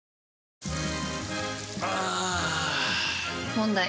問題。